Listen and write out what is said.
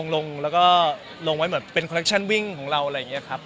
ลงแล้วก็ลงไว้เหมือนเป็นคอลเคชั่นวิ่งของเราอะไรอย่างนี้ครับ